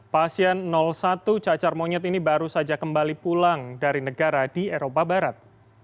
pasien satu cacar monyet ini baru saja kembali pulang dari negara di eropa barat